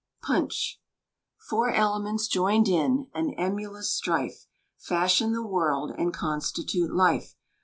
PUNCH. Four elements, joined in An emulous strife, Fashion the world, and Constitute life.